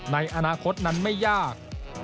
ในอนาคตนั้นไม่ยาก